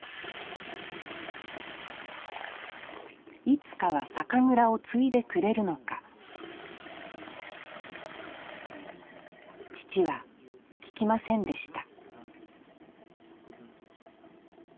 いつかは酒蔵を継いでくれるのか父は聞きませんでした